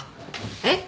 えっ！？